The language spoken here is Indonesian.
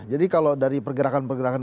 jadi kalau dari pergerakan pergerakan